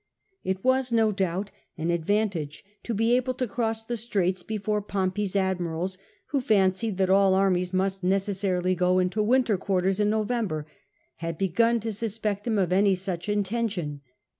It was, no doubt, an advantage to bt^ able to cross the straits before l\)mpey's admirals, who fancied that all armies must necessarily go into wintov quarters in November, had begun to suspect him of any such inten tion.